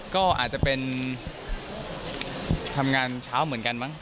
ก็อาจจะเป็นทำงานเช้าเหมือนกันมั้ง